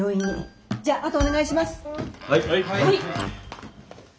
はい。